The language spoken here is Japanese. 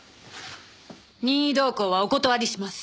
任意同行はお断りします。